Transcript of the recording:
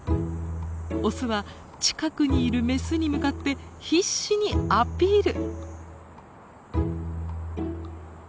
オスは近くにいるメスに向かって必死にアピール。